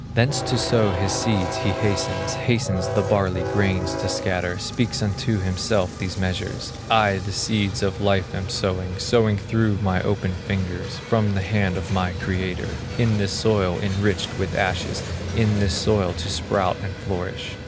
Thence to sow his seeds he hastens, Hastes the barley grains to scatter, Speaks unto himself these measures: "I the seeds of life am sowing, Sowing through my open fingers, From the hand of my Creator, In this soil enriched with ashes, In this soil to sprout and flourish.